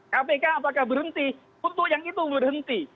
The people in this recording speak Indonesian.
kpk apakah berhenti untuk yang itu berhenti